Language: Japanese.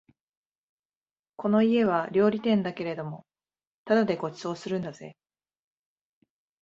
この家は料理店だけれどもただでご馳走するんだぜ